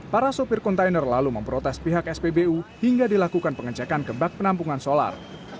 para sopir kontainer lalu memprotes pihak spbu hingga dilakukan pengecekan ke bak penampungan solar